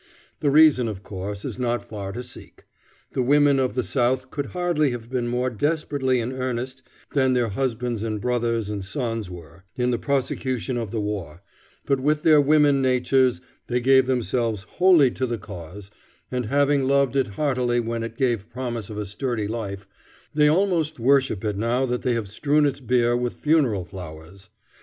The reason, of course, is not far to seek. The women of the South could hardly have been more desperately in earnest than their husbands and brothers and sons were, in the prosecution of the war, but with their woman natures they gave themselves wholly to the cause, and having loved it heartily when it gave promise of a sturdy life, they almost worship it now that they have strewn its bier with funeral flowers.